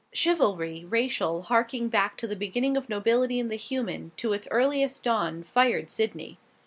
Chivalry, racial, harking back to the beginning of nobility in the human, to its earliest dawn, fired Sydney.